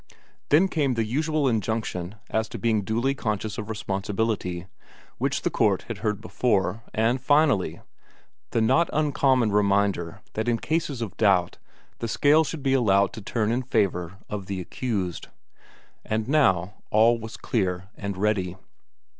Then came the usual injunction as to being duly conscious of responsibility, which the court had heard before, and finally, the not uncommon reminder that in cases of doubt, the scale should be allowed to turn in favour of the accused. And now all was clear and ready.